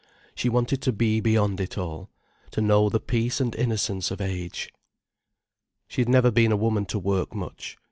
She wanted to be beyond it all, to know the peace and innocence of age. She had never been a woman to work much.